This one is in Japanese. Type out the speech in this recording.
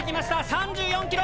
３４ｋｍ！